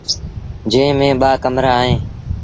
جݩهݩ ميݩ ٻآ ڪمرآ اوهيݩ۔